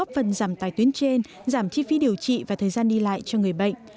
phi điều trị và thời gian đi lại cho người bệnh